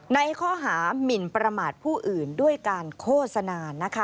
ในข้อหามินประมาทผู้อื่นด้วยการโฆษณานะคะ